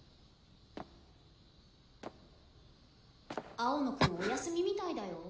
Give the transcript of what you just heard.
青野くんお休みみたいだよ。